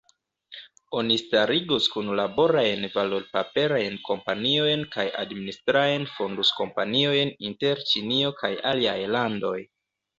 Oni starigos kunlaborajn valorpaperajn kompaniojn kaj administrajn fondus-kompaniojn inter Ĉinio kaj aliaj landoj.